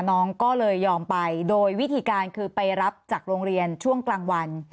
น้องก็เลยยอมไปโดยวิธีการคือไปรับจากโรงเรียนช่วงกลางวัน